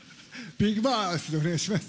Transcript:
ビッグボスでお願いします。